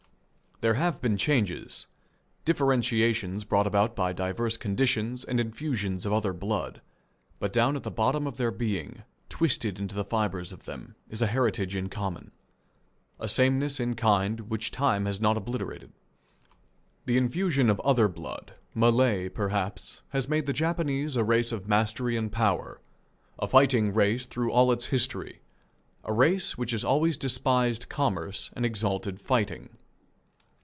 There have been changes, differentiations brought about by diverse conditions and infusions of other blood; but down at the bottom of their being, twisted into the fibres of them, is a heritage in common a sameness in kind which time has not obliterated. The infusion of other blood, Malay, perhaps, has made the Japanese a race of mastery and power, a fighting race through all its history, a race which has always despised commerce and exalted fighting.